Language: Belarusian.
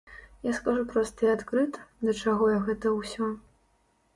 Я скажу проста і адкрыта, да чаго я гэта ўсё.